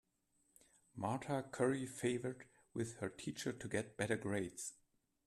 Marta curry favored with her teacher to get better grades.